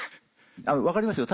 分かりますよ